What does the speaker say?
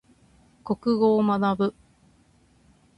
国語を学ぶ。